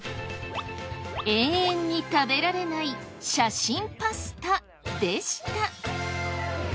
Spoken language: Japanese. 永遠に食べられない写真パスタでした。